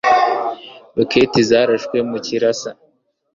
Roketi zarashwe mu kirasa.